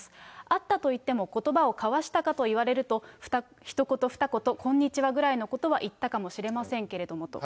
会ったといっても、ことばを交わしたかといわれると、ひと言、ふた言、こんにちはぐらいのことは言ったかもしれませんけどもと。